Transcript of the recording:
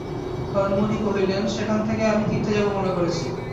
হরিমোহিনী কহিলেন, সেখান থেকে আমি তীর্থে যাব মনে করেছি!